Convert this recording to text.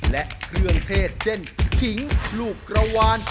และเครื่องเทศเช่นขิงลูกกระวาน